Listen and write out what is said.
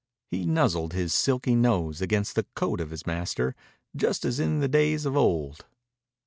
He nuzzled his silky nose against the coat of his master just as in the days of old.